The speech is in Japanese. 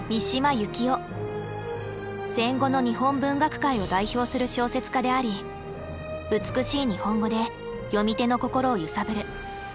戦後の日本文学界を代表する小説家であり美しい日本語で読み手の心を揺さぶる。